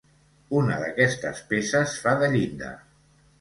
Una d'aquestes peces fa de llinda.